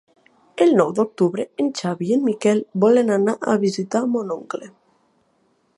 El nou d'octubre en Xavi i en Miquel volen anar a visitar mon oncle.